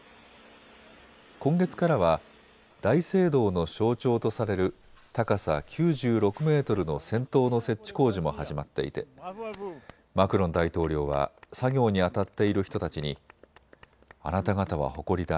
今月からは大聖堂の象徴とされる高さ９６メートルのせん塔の設置工事も始まっていてマクロン大統領は作業にあたっている人たちにあなた方は誇りだ。